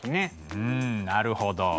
うんなるほど。